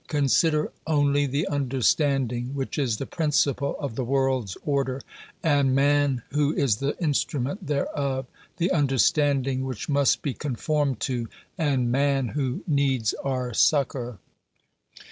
Consider only the understanding which is the principle of the world's order, and man who is the instrument thereof; the understanding which must be conformed to, and man who needs our succour.